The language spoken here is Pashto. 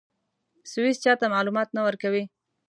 سویس چا ته معلومات نه ورکوي.